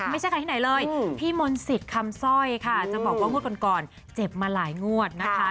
ไม่ใช่ใครที่ไหนเลยพี่มนต์สิทธิ์คำสร้อยค่ะจะบอกว่างวดก่อนเจ็บมาหลายงวดนะคะ